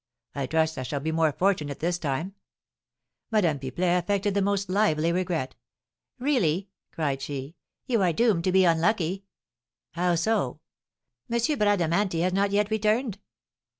I trust I shall be more fortunate this time." Madame Pipelet affected the most lively regret. "Really," cried she, "you are doomed to be unlucky!" "How so?" "M. Bradamanti has not yet returned."